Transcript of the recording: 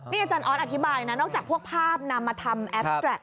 นี่อาจารย์ออสอธิบายนะนอกจากพวกภาพนำมาทำแอปแรค